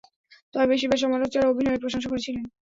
তবে বেশিরভাগ সমালোচক তার অভিনয়ের প্রশংসা করেছিলেন।